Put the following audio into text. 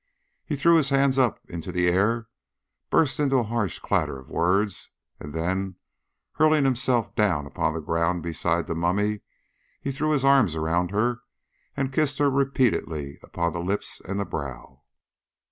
He threw his hands up into the air, burst into a harsh clatter of words, and then, hurling himself down upon the ground beside the mummy, he threw his arms round her, and kissed her repeatedly upon the lips and brow.